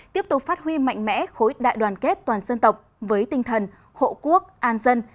tiếp tục phát huy mạnh mẽ khối đại đoàn kết toàn dân tộc với tinh thần hộ quốc an dân